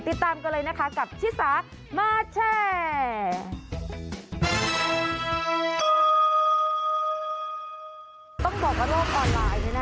ติดตามกันเลยนะคะกับชิสามาแชร์